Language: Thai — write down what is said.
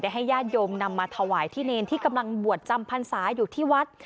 ให้ญาติโยมนำมาถวายที่เนรที่กำลังบวชจำพรรษาอยู่ที่วัด